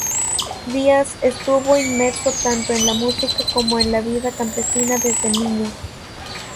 Díaz estuvo inmerso tanto en la música como en la vida campesina desde niño.